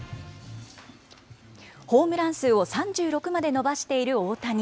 ホームラン数を３６まで伸ばしている大谷。